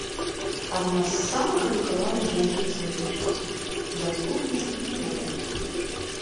Адна з самых адукаваных жанчын свайго часу, заступніца навукоўцаў.